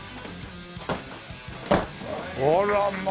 あらまあ！